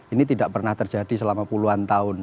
ini tidak pernah terjadi selama puluhan tahun